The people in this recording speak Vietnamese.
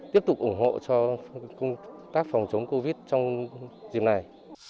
tiếp tục ủng hộ cho công tác phòng chống covid trong dịp này